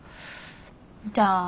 じゃあ私